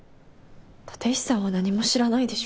立石さんは何も知らないでしょ。